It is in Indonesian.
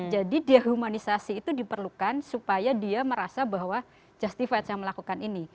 jadi dehumanisasi itu diperlukan supaya dia merasa bahwa justifikasi saya melakukan ini